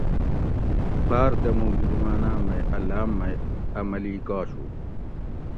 باۤر دموگ زماناۤ مئ اۤ لاۤم مئ اۤ ملیک آشو